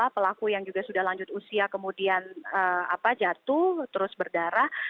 pelaku yang juga sudah lanjut usia kemudian jatuh terus berdarah